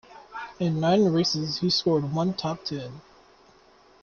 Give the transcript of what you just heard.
In nine races, he scored one top ten.